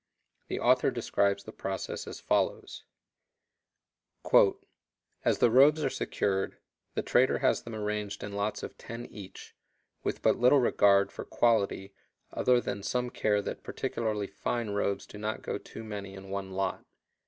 The author describes the process as follows: "As the robes are secured, the trader has them arranged in lots of ten each, with but little regard for quality other than some care that particularly fine robes do not go too many in one lot.